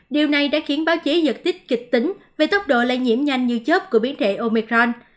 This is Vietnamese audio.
điều này đã khiến báo chí giật tích kịch tính về tốc độ lây nhiễm nhanh như chất của biến thể omicron